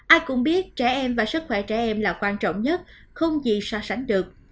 ai cũng biết trẻ em và sức khỏe trẻ em là quan trọng nhất không gì so sánh được